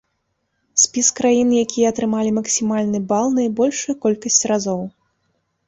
Спіс краін, якія атрымалі максімальны бал найбольшую колькасць разоў.